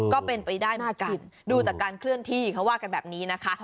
ก็เป็นไปได้เหมือนกันดูจากการเคลื่อนที่เขาว่ากันแบบนี้นะคะ